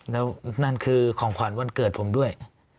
แล้วนั่นคือของขวัญวันเกิดผมด้วย